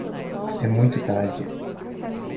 É muito tarde